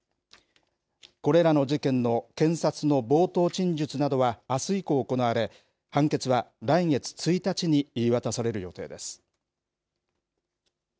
これらの事件の検察の冒頭陳述などはあす以降行われ、判決は来月１日に言い渡される予定です。